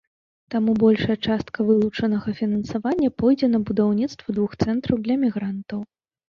Таму большая частка вылучанага фінансавання пойдзе на будаўніцтва двух цэнтраў для мігрантаў.